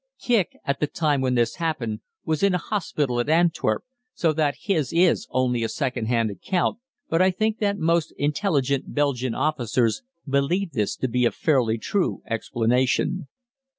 Kicq, at the time when this happened, was in a hospital at Antwerp, so that his is only a second hand account, but I think that most intelligent Belgian officers believe this to be a fairly true explanation.